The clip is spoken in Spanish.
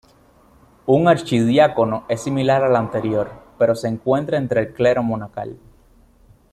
Un "archidiácono" es similar al anterior, pero se encuentra entre el clero monacal.